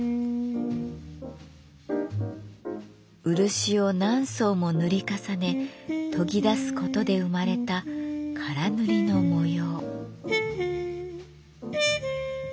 漆を何層も塗り重ね研ぎ出すことで生まれた唐塗の模様。